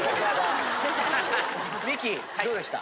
・ミキどうでした？